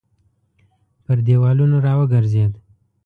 پر دېوالونو راوګرځېد.